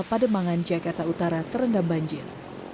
pada mangan jakarta utara terendam banjir